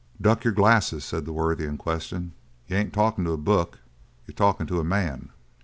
"Duck your glasses," said the worthy in question. "You ain't talkin' to a book, you're talking to a man."